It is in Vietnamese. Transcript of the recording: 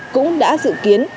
cũng đã dự kiến